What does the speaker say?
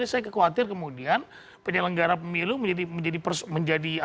saya kekhawatir kemudian penyelenggara pemilu menjadi